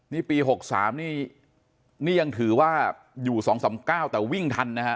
นี่ปี๖๓นี่นี่ยังถือว่าอยู่๒๓๙แต่วิ่งทันนะฮะ